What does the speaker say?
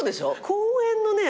公園のね